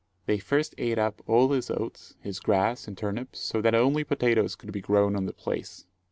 They first ate up all his oats, his grass, and turnips, so that only potatoes could be grown on the place.